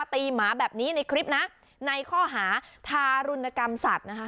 หมาแบบนี้ในคลิปนะในข้อหาทารุณกรรมสัตว์นะคะ